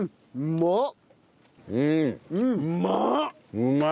うまっ！